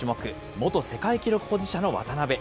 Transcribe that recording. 元世界記録保持者の渡辺。